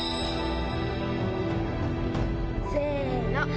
せの！